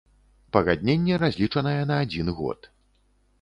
Пагадненне разлічанае на адзін год.